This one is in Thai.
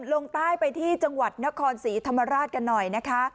ลงใต้ไปที่จังหวัดนครศรีธรรมราชกันหน่อยนะคะ